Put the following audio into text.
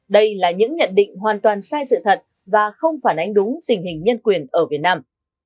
đây là những nhận định hoàn toàn sai sự thật và không phản ánh đúng tình hình nhân quyền ở việt nam